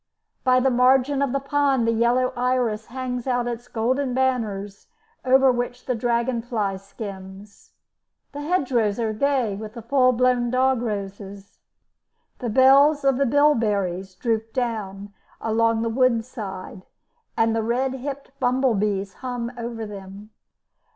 By the margin of the pond the yellow iris hangs out its golden banners over which the dragon fly skims. The hedgerows are gay with the full blown dog roses, the bells of the bilberries droop down along the wood side, and the red hipped bumble bees hum over them.